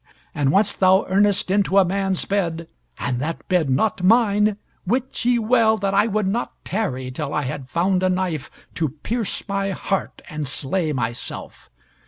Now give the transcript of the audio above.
And once thou earnest into a man's bed, and that bed not mine, wit ye well that I would not tarry till I had found a knife to pierce my heart and slay myself.